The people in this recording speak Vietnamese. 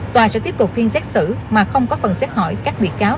tòa sẽ tiếp tục phiên xét xử mà không có phần xét hỏi các bị cáo